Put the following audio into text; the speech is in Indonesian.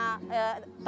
trauma itu dihilangkan